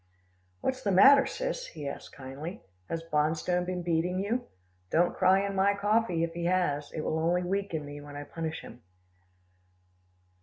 "What's the matter, Sis?" he asked kindly. "Has Bonstone been beating you don't cry in my coffee, if he has. It will only weaken me, when I punish him."